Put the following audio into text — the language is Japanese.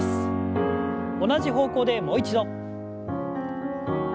同じ方向でもう一度。